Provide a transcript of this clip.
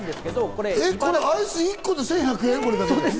これアイス１個だけで１１００円？